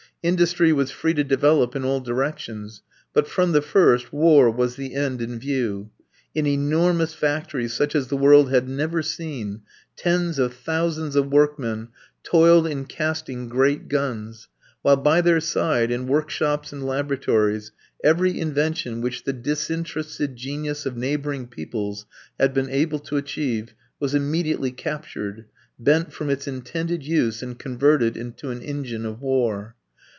Industry was free to develop in all directions; but, from the first, war was the end in view. In enormous factories, such as the world had never seen, tens of thousands of workmen toiled in casting great guns, while by their side, in workshops and laboratories, every invention which the disinterested genius of neighbouring peoples had been able to achieve was immediately captured, bent from its intended use, and converted into an engine of war.